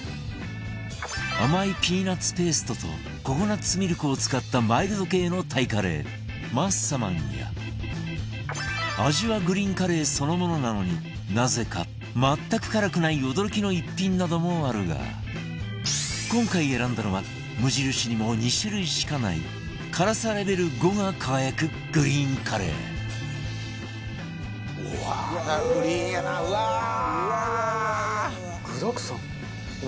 甘いピーナッツペーストとココナッツミルクを使ったマイルド系のタイカレーマッサマンや味はグリーンカレーそのものなのになぜか全く辛くない驚きの一品などもあるが今回選んだのは無印にも２種類しかない辛さレベル５が輝くグリーンカレーうわーグリーンやなうわー！うわうわうわうわうわ。